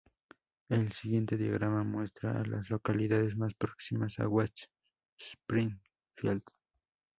El siguiente diagrama muestra a las localidades más próximas a West Springfield.